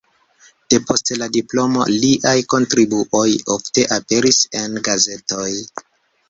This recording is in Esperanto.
Depost la diplomo liaj kontribuoj ofte aperis en gazetoj.